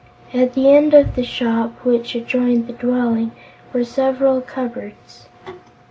At the end of the shop, which adjoined the dwelling, were several cupboards.